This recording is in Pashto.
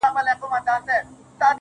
او کله کله ښکاریریږي